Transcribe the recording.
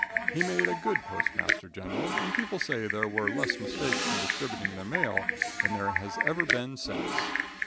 He made a good postmaster general, and people say there were less mistakes in distributing their mail than there has ever been since.